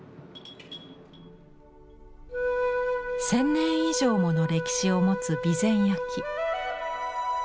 １，０００年以上もの歴史を持つ備前焼。